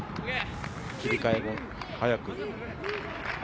切り替えも早く。